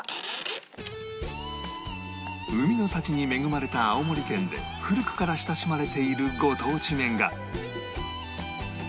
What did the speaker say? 海の幸に恵まれた青森県で古くから親しまれているご当地麺が